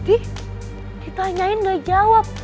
ih ditanyain nggak jawab